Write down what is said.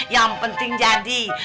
yang penting jadi